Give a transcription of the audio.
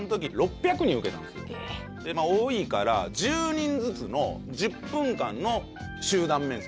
その時多いから１０人ずつの１０分間の集団面接